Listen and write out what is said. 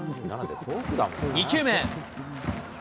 ２球目。